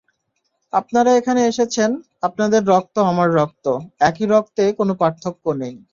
আপনারা এখানে এসেছেন, আপনাদের রক্ত আমার রক্ত, একই রক্তে কোনো পার্থক্য নেই।